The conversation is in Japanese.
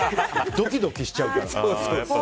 ドキドキしちゃうから。